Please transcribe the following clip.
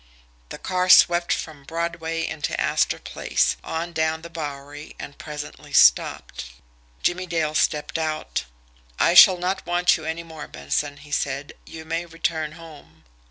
The car swept from Broadway into Astor Place, on down the Bowery, and presently stopped. Jimmie Dale stepped out. "I shall not want you any more, Benson," he said. "You may return home."